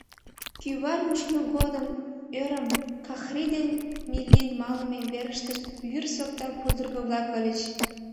— Кӱвар мушмо годым ӧрым — Кӓхри ден Миллин малыме верыштышт вӱр сокта пудырго-влак ыльыч.